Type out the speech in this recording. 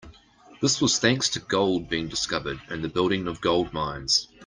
This was thanks to gold being discovered and the building of gold mines.